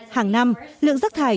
hàng năm lượng rác thải